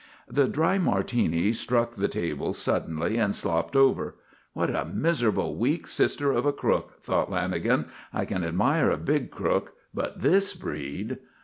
The dry Martini struck the table suddenly and slopped over. "What a miserable, weak sister of a crook!" thought Lanagan. "I can admire a big crook, but this breed!"